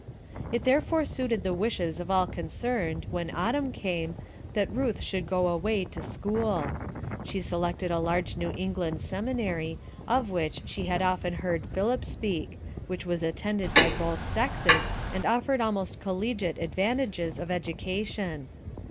It therefore suited the wishes of all concerned, when autumn came, that Ruth should go away to school. She selected a large New England Seminary, of which she had often heard Philip speak, which was attended by both sexes and offered almost collegiate advantages of education.